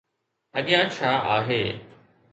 اڳيان ڇا آهي؟